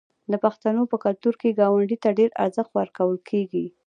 د پښتنو په کلتور کې ګاونډي ته ډیر ارزښت ورکول کیږي.